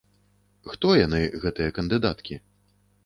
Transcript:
Хто яны, гэтыя кандыдаткі?